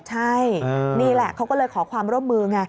ใช่นี่แหละเขาก็เลยขอความร่วมมือไง